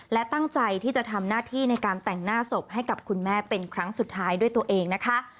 และตั้งใจที่จะทำหน้าที่ในการแต่งหน้าศพให้กับคุณแม่เป็นครั้งสุดท้ายด้วยตัวเองนะคะ